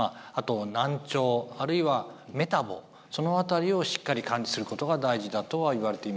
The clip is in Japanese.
難聴あるいはメタボその辺りをしっかり管理することが大事だとはいわれています。